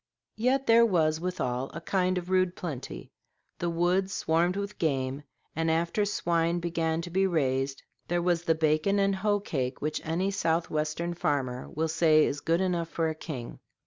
Yet there was withal a kind of rude plenty; the woods swarmed with game, and after swine began to be raised, there was the bacon and hoe cake which any south western farmer will say is good enough for a king.